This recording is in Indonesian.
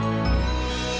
tiada apa gak apa